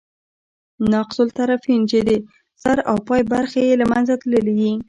ناقص الطرفین، چي د سر او پای برخي ئې له منځه تللي يي.